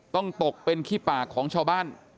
ตกเป็นขี้ปากของชาวบ้าน